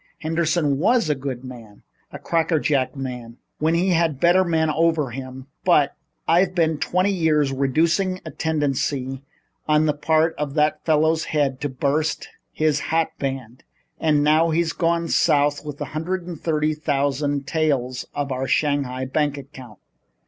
Henderson was a good man a crackerjack man when he had a better man over him. But I've been twenty years reducing a tendency on the part of that fellow's head to bust his hat band. And now he's gone south with a hundred and thirty thousand taels of our Shanghai bank account."